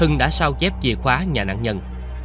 hưng đã sao chép chìa khóa nhà nạn nhân